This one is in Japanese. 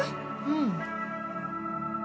うん。